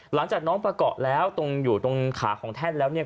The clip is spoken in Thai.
หลังจากน้องประกอบแล้วตรงอยู่ตรงขาของแท่นแล้วเนี่ย